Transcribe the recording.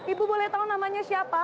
ibu boleh tahu namanya siapa